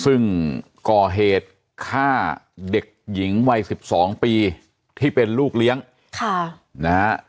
ซึ่งก่อเหตุฆ่าเด็กหญิงวัย๑๒ปีที่เป็นลูกเลี้ยงค่ะนะฮะ